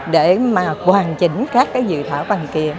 để mà hoàn chỉnh các dự thảo bằng kiện